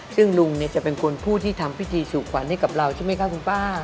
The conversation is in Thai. ซึ่งลุงจะเป็นคนผู้ที่ทำพิธีสู่ขวัญให้กับเราใช่ไหมคะคุณป้า